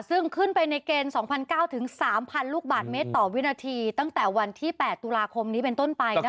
ซึ่งขึ้นไปในเกณฑ์สองพันเก้าถึงสามพันลูกบาทเมตรต่อวินาทีตั้งแต่วันที่แปดตุลาคมนี้เป็นต้นไปนะครับ